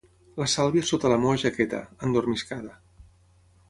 La Sàlvia sota la meva jaqueta, endormiscada.